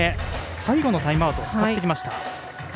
最後のタイムアウト使ってきました。